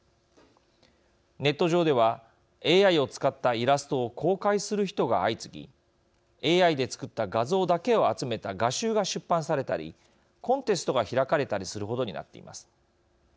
ネット上ではＡＩを使ったイラストを公開する人が相次ぎＡＩで作った画像だけを集めた画集が出版されたりコンテストが開かれたりするほどになっています。